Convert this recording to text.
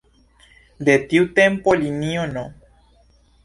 De tiu tempo linio No.